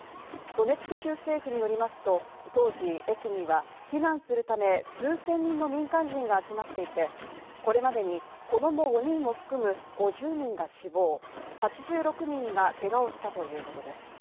ドネツク州政府によりますと当時、駅には避難するため数千人の民間人が集まっていてこれまでに子供５人を含む５０人が死亡、８６人がけがをしたということです。